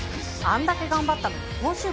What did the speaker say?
あんだけ頑張ったのに報酬